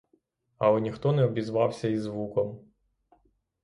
Але ніхто не обізвався й звуком.